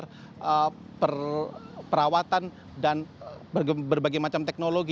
nah ini juga sudah terkait dengan perawatan dan berbagai macam teknologi